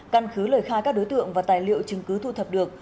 căn cứ lời khai các đối tượng và tài liệu chứng cứ thu thập được